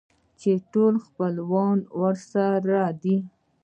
چې ټول خپلوان راسره دي.